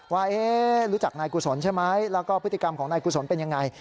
ว่ารู้จักนายกุศลใช่ไหมแล้วก็พฤติกรรมของนายกุศลเป็นยังไง